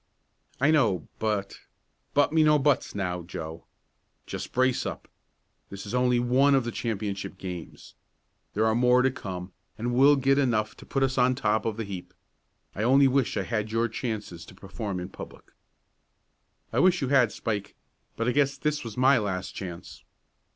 "I know, but " "'But me no buts,' now Joe. Just brace up. This is only one of the championship games. There are more to come, and we'll get enough to put us on top of the heap. I only wish I had your chances to perform in public." "I wish you had, Spike. But I guess this was my last chance."